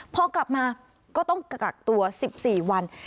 พอกลับมาก็ต้องกักตัว๑๔วัน